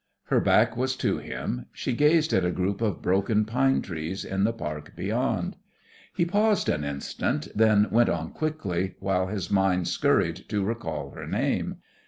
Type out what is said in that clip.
Her back was to him; she gazed at a group of broken pine trees in the park beyond. He paused an instant, then went on quickly, while his mind scurried to recall her name.